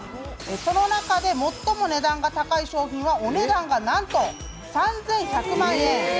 その中で最も値段が高い商品はお値段がなんと３１００万円。